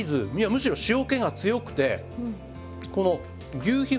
むしろ塩気が強くてこの求肥